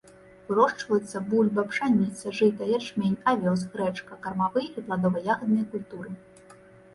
Вырошчваюцца бульба, пшаніца, жыта, ячмень, авёс, грэчка, кармавыя і пладова-ягадныя культуры.